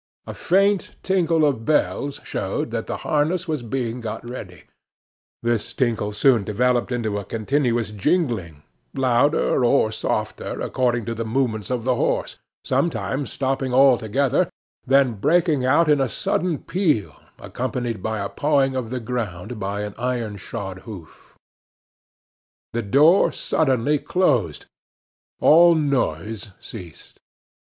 A faint tinkle of bells showed that the harness was being got ready; this tinkle soon developed into a continuous jingling, louder or softer according to the movements of the horse, sometimes stopping altogether, then breaking out in a sudden peal accompanied by a pawing of the ground by an iron shod hoof. The door suddenly closed. All noise ceased.